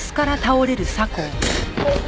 あっ！